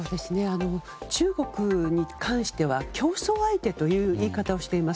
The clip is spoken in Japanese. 中国に関しては競争相手という言い方をしています。